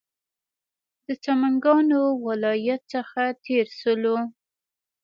د سمنګانو ولایت څخه تېر شولو.